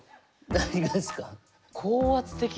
何がですか？